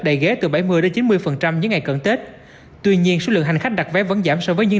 đầy ghế từ bảy mươi chín mươi những ngày cận tết tuy nhiên số lượng hành khách đặt vé vẫn giảm so với những